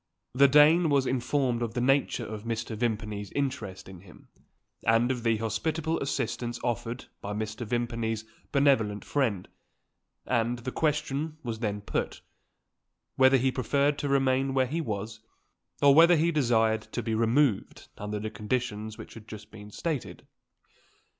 The Dane was informed of the nature of Mr. Vimpany's interest in him, and of the hospitable assistance offered by Mr. Vimpany's benevolent friend; and the question was then put, whether he preferred to remain where he was, or whether he desired to be removed under the conditions which had just been stated?